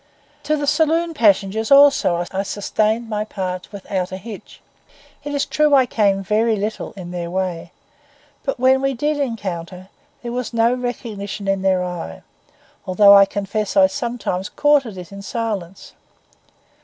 To the saloon passengers also I sustained my part without a hitch. It is true I came little in their way; but when we did encounter, there was no recognition in their eye, although I confess I sometimes courted it in silence.